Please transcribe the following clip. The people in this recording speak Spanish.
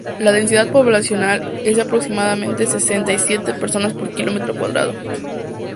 La densidad poblacional es de aproximadamente setenta y siete personas por kilómetro cuadrado.